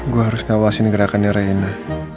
gue harus ngawasin gerakannya raina